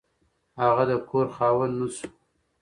هغه د کور خاوند نه شو.